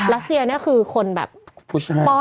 รัสเซียนี่คือคนแบบป้อนส่งให้